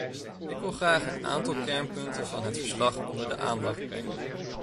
Ik wil graag een aantal kernpunten van het verslag onder de aandacht brengen.